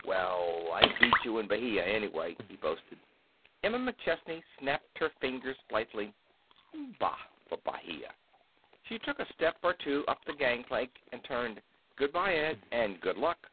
"Well, I beat you in Bahia, anyway." he boasted. Emma McChesney snapped her fingers blithely. "Bah, for Bahia!" She took a step or two up the gangplank, and turned. "Good by, Ed. And good luck.